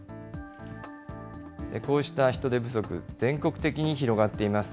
こうした人手不足、全国的に広がっています。